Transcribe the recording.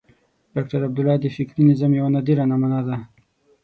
ډاکټر عبدالله د فکري نظام یوه نادره نمونه ده.